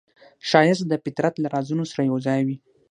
ښایست د فطرت له رازونو سره یوځای وي